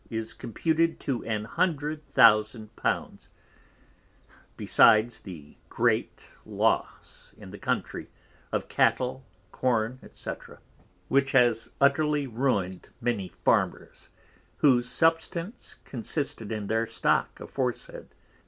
is Computed to an Hundred Thousand Pounds, besides the great Loss in the Country, of Cattel, Corn, &c. which has utterly ruined many Farmers, whose substance consisted in their Stock aforesaid.